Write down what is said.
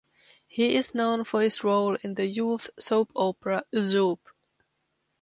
He is known for his role in the youth soap opera "Zoop".